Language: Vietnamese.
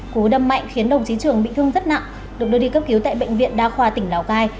cú đâm mạnh khiến đồng chí trường bị thương rất nặng được đưa đi cấp cứu tại bệnh viện đa khoa tỉnh lào cai